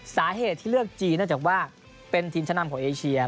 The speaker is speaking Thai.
สาเหตุที่เลือกจีนเนื่องจากว่าเป็นทีมชั้นนำของเอเชีย